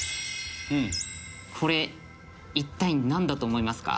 これ一体なんだと思いますか？